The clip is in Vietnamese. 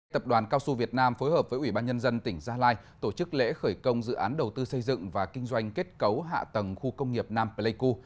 tập đoàn cao su việt nam phối hợp với ủy ban nhân dân tỉnh gia lai tổ chức lễ khởi công dự án đầu tư xây dựng và kinh doanh kết cấu hạ tầng khu công nghiệp nam pleiku